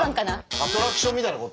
アトラクションみたいなこと？